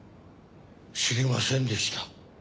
知りませんでした。